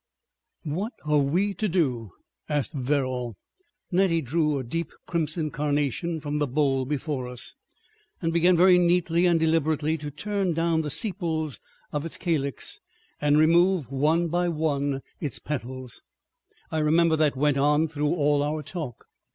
§ 4 "What are we to do?" asked Verrall. Nettie drew a deep crimson carnation from the bowl before us, and began very neatly and deliberately to turn down the sepals of its calyx and remove, one by one, its petals. I remember that went on through all our talk.